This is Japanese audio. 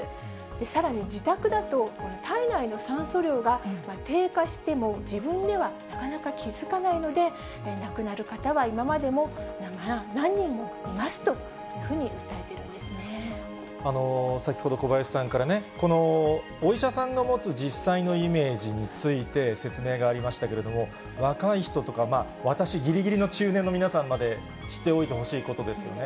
さらに自宅だと、体内の酸素量が低下しても、自分ではなかなか気付かないので、亡くなる方は今までも何人もいますというふうに訴えているんです先ほど、小林さんから、このお医者さんの持つ実際のイメージについて説明がありましたけれども、若い人とか私ぎりぎりの中年の皆さんにまで知っておいてほしいことですよね。